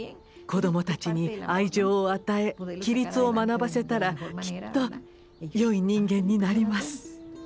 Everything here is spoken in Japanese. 子どもたちに愛情を与え規律を学ばせたらきっと善い人間になります。